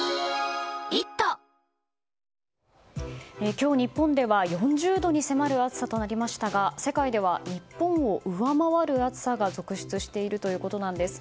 今日、日本では４０度に迫る暑さとなりましたが世界では、日本を上回る暑さが続出しているということなんです。